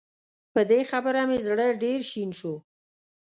په دې خبره مې زړه ډېر شين شو